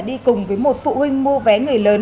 đi cùng với một phụ huynh mua vé người lớn